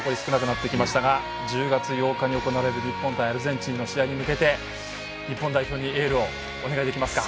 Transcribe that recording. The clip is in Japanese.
１０月８日に行われる日本対アルゼンチンの試合に向けて日本代表にエールをお願いできますか。